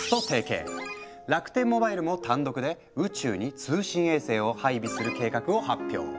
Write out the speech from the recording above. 楽天モバイルも単独で宇宙に通信衛星を配備する計画を発表。